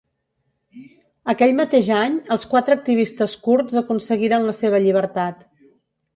Aquell mateix any els quatre activistes kurds aconseguiren la seva llibertat.